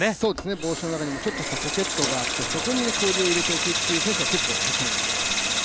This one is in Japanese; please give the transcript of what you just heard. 帽子の中にも、ちょっとしたポケットがあって、そこに氷を入れておくという選手はたくさんいます。